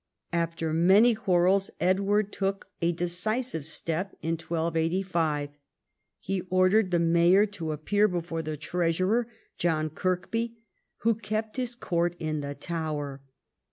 After many quarrels Edward took a decisive step in 1285. He ordered the mayor to appear before the treasurer, John Kirkby, Avho kept his court in the Tower.